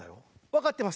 分かってます。